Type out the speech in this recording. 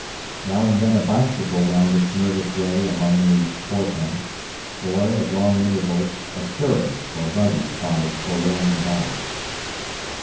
Now and then a bicycle wound its nervous way among these portents, or, at long intervals, a surrey or buggy plodded forlornly by.